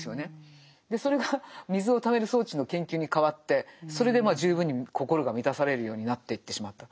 それが水をためる装置の研究に変わってそれで十分に心が満たされるようになっていってしまった。